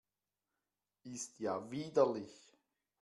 Ist ja widerlich!